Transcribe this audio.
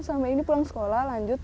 sampai sekarang pun belum